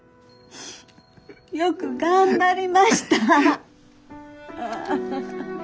よく頑張りました！